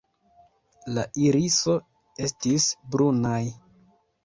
La iriso estis brunaj.